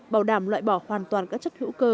bảo đảm loại bỏ hoàn toàn các chất hữu cơ